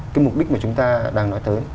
cái mục đích mà chúng ta đang nói tới